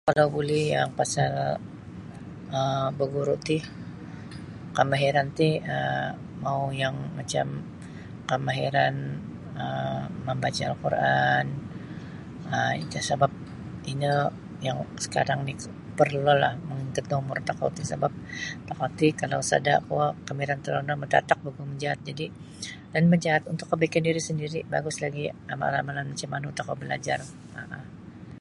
Kalau buli yang pasal um baguru ti kamahiran ti um mau yang macam kamahiran um mambaca Al-Quran um itu sabab ino yang sakarang ni parlu lah mang untuk da umur tokou ti sabab tokou ti kalau sada kuo kamahiran torono matatak bagu majaat jadi lan majaat untuk kabaikan diri sandiri bagus lagi amalan-amalan macam manu tokou balajar um.